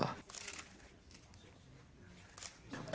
keturunan benda benda bersejarah indonesia di indonesia